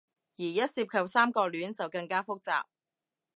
而一涉及三角戀，就更加複雜